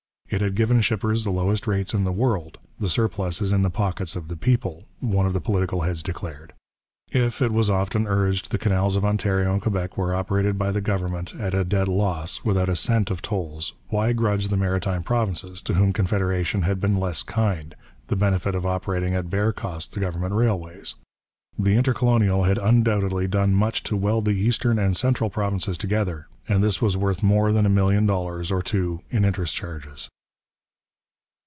It had given shippers the lowest rates in the world: 'the surplus is in the pockets of the people,' one of the political heads declared. If, it was often urged, the canals of Ontario and Quebec were operated by the government at a dead loss, without a cent of tolls, why grudge the Maritime Provinces, to whom Confederation had been less kind, the benefit of operating at bare cost the government railways! The Intercolonial had undoubtedly done much to weld the eastern and central provinces together, and this was worth more than a million dollars or two in interest charges.